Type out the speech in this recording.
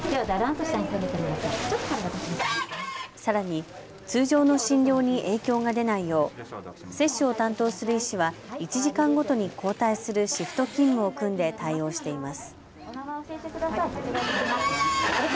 さらに通常の診療に影響が出ないよう接種を担当する医師は１時間ごとに交代するシフト勤務を組んで対応しています。